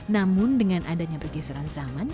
namun dengan adanya pergeseran zaman